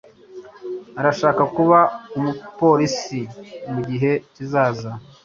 Arashaka kuba umupolisi mugihe kizaza.